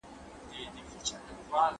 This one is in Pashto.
انا په ډېرې بېوسۍ سره لمانځه ته ودرېده.